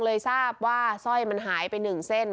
เลยทราบว่าสร้อยมันหายไป๑เส้น